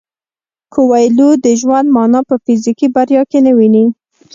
کویلیو د ژوند مانا په فزیکي بریا کې نه ویني.